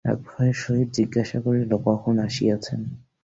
আগ্রহের সহিত জিজ্ঞাসা করিল, কখন আসিয়াছেন?